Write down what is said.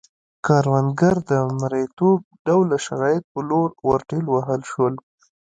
کروندګر د مریتوب ډوله شرایطو په لور ورټېل وهل شول